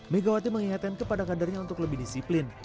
megawati mengingatkan kepada kadernya untuk lebih disiplin